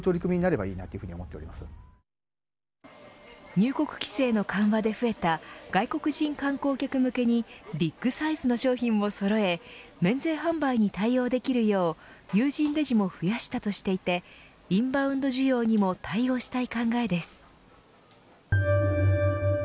入国規制の緩和で増えた外国人観光客向けにビッグサイズの商品もそろえ免税販売に対応できるよう有人レジも増やしたとしていてインバウンド需要にも対応したい考えです。